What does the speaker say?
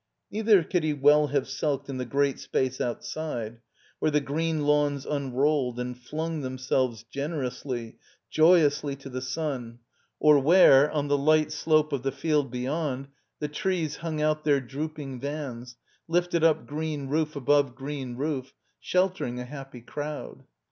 Neither could he well have sulked in the great space outside, where the green lawns unrolled and flung themselves generously, joyously to the sun, or where, on the light slope of the field beyond, the trees hung out their drooping vans, lifted up green roof above green roof, sheltering a happy crowd.